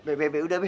be be be udah be